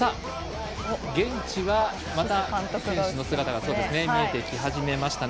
現地は、また選手の姿が見え始めてきました。